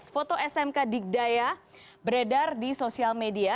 foto smk dikdaya beredar di sosial media